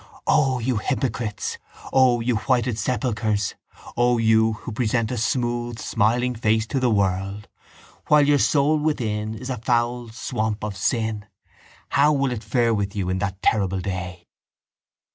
O you hypocrites, O you whited sepulchres, O you who present a smooth smiling face to the world while your soul within is a foul swamp of sin, how will it fare with you in that terrible day?